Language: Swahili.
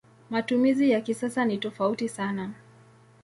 Matumizi ya kisasa ni tofauti sana.